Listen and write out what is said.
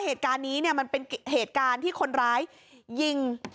เหตุการณ์นี้เนี่ยมันเป็นเหตุการณ์ที่คนร้ายยิง